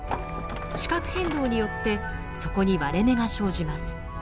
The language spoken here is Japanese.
地殻変動によってそこに割れ目が生じます。